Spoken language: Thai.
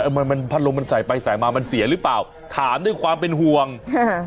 มันมันพัดลมมันใส่ไปใส่มามันเสียหรือเปล่าถามด้วยความเป็นห่วงค่ะ